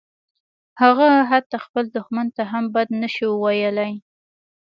هغه حتی خپل دښمن ته هم بد نشوای ویلای